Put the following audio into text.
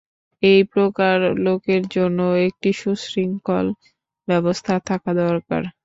এই প্রকার লোকের জন্যও একটি সুশৃঙ্খল ব্যবস্থা থাকা দরকার।